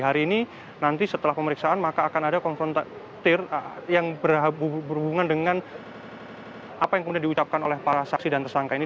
hari ini nanti setelah pemeriksaan maka akan ada konfronta yang berhubungan dengan apa yang kemudian diucapkan oleh para saksi dan tersangka ini